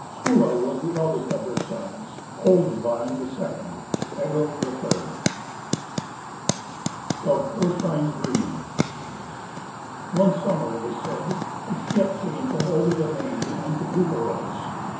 Skuli was the eldest of their sons, Kollsvein the second, Egil the third. CHAPTER II. Of Thorsteins Dream. One summer, it is said, a ship came from over the main into Gufaros.